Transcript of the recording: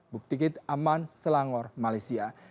bukti kit aman selangor malaysia